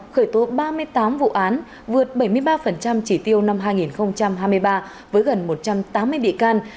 khởi tố ba mươi tám vụ án vượt bảy mươi ba chỉ tiêu năm hai nghìn hai mươi ba với gần một trăm tám mươi bị can